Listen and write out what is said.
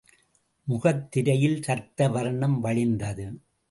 முகத்திரையில் ரத்த வர்ணம் வழிந்தது.